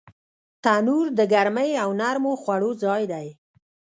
تنور د ګرمۍ او نرمو خوړو ځای دی